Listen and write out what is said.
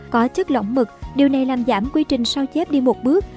có chất lỏng mực điều này làm giảm quy trình sao chép đi một bước